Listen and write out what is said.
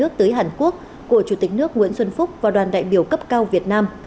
nước tới hàn quốc của chủ tịch nước nguyễn xuân phúc và đoàn đại biểu cấp cao việt nam